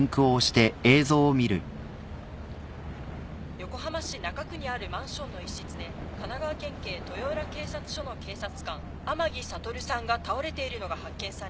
横浜市中区にあるマンションの一室で神奈川県警豊浦警察署の警察官天樹悟さんが倒れているのが発見されその後。